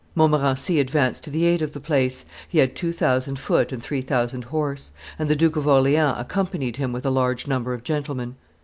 Montmorency advanced to the aid of the place; he had two thousand foot and three thousand horse; and the Duke of Orleans accompanied him with a large number of gentlemen.